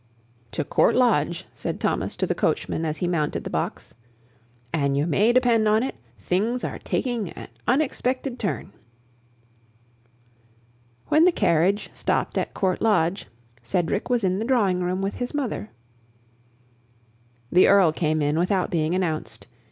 "To Court Lodge," said Thomas to the coachman as he mounted the box; "an' you may depend on it, things are taking a uniggspected turn." When the carriage stopped at Court Lodge, Cedric was in the drawing room with his mother. The Earl came in without being announced.